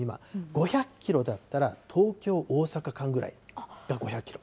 ５００キロだったら東京・大阪間ぐらいが５００キロ。